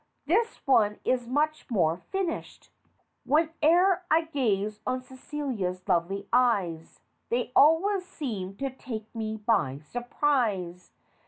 This one is much more finished : "Whene'er I gaze on Celia's lovely eyes, They always seem to take me by surprise.